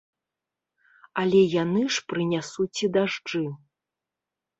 Але яны ж прынясуць і дажджы.